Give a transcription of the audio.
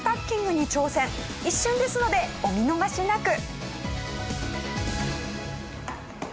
一瞬ですのでお見逃しなく。